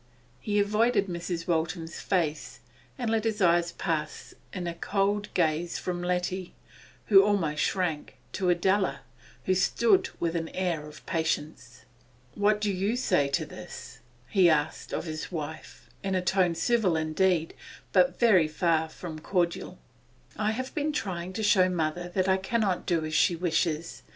He avoided Mrs. Waltham's face, and let his eyes pass in a cold gaze from Letty, who almost shrank, to Adela, who stood with an air of patience. 'What do you say to this?' he asked of his wife, in a tone civil indeed, but very far from cordial. 'I have been trying to show mother that I cannot do as she wishes.